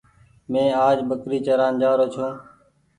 مينٚ آج ٻڪري چران جآرو ڇوٚنٚ